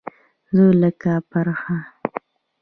زه لکه پرخه